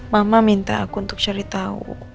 mama minta aku untuk cari tahu